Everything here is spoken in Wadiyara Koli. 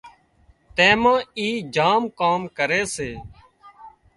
تيمان اي جام ڪام ڪري سي